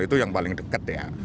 itu yang paling dekat ya